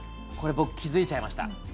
これ僕気付いちゃいました。